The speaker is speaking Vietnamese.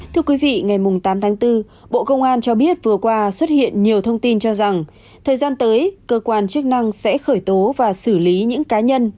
thưa quý vị ngày tám tháng bốn bộ công an cho biết vừa qua xuất hiện nhiều thông tin cho rằng thời gian tới cơ quan chức năng sẽ khởi tố và xử lý những cá nhân